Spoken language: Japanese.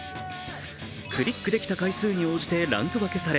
クリックできた回数に応じてランク分けされ